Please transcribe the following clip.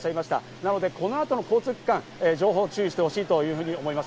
なので、この後の交通機関、情報に注意してほしいと思います。